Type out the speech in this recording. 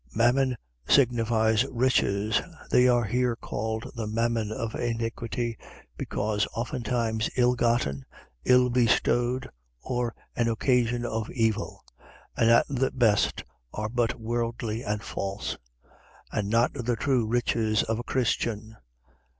. .Mammon signifies riches. They are here called the mammon of iniquity, because oftentimes ill gotten, ill bestowed, or an occasion of evil; and at the best are but worldly, and false; and not the true riches of a Christian.